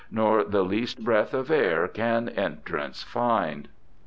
Nor the least breath of air can entrance find.